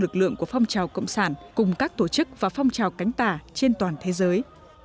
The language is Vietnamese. lực lượng của phong trào cộng sản cùng các tổ chức và phong trào cánh tả trên toàn thế giới